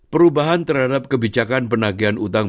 perubahan terhadap kebijakan penagihan hutang